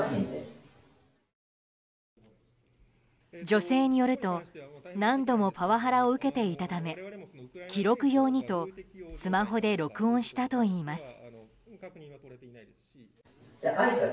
女性によると何度もパワハラを受けていたため記録用にとスマホで録音したといいます。